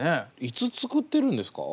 いつ作ってるんですか？